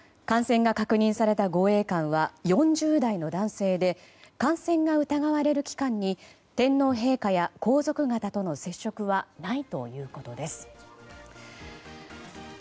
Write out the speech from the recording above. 感染が確認された護衛官は４０代の男性で感染が疑われる期間に天皇陛下や皇族方との接触はないということです。